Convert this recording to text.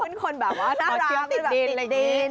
ทุกคนแบบว่าหน้าร้ำติดดิน